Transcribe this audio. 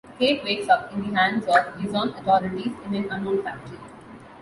Kate wakes up in the hands of Izon authorities in an unknown factory.